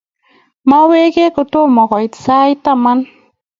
Maweka kotomo kuit sait taman